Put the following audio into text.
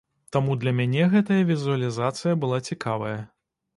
Таму для мяне гэтая візуалізацыя была цікавая.